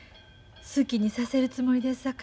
好きにさせるつもりです